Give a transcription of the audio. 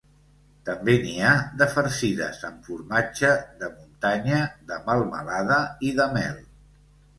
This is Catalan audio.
També n'hi ha de farcides amb formatge de muntanya, de melmelada i de mel.